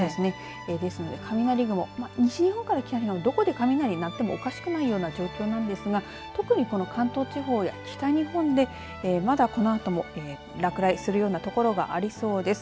ですので雷雲、西日本から北日本のどこで雷なってもおかしくないような状況なんですが、特に関東地方北日本で、まだこのあとも落雷するようなところがありそうです。